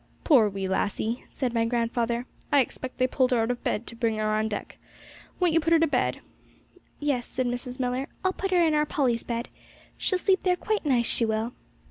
'Poor wee lassie!' said my grandfather; 'I expect they pulled her out of her bed to bring her on deck. Won't you put her to bed?' 'Yes,' said Mrs. Millar, 'I'll put her in our Polly's bed; she'll sleep there quite nice, she will.'